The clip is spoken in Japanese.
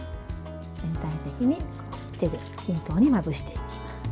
全体的に手で均等にまぶしていきます。